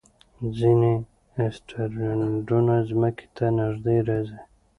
ځینې اسټروېډونه ځمکې ته نږدې راځي.